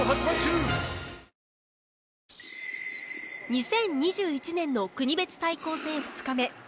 ２０２１年の国別対抗戦２日目。